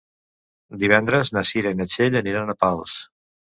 Divendres na Cira i na Txell aniran a Pals.